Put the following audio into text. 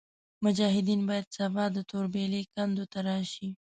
مجاهدین باید سبا د توربېلې کنډو ته راشي.